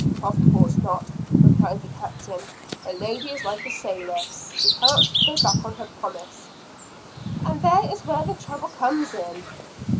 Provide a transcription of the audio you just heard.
"Of course not," replied the Captain; "a lady is like a sailor, she cannot go back on her promise." "And there is where the trouble comes in."